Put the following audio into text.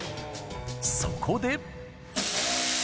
そこで。